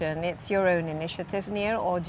ini adalah inisiatif anda sendiri nir